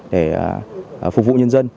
để phục vụ nhân dân